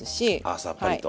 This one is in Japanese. あさっぱりと。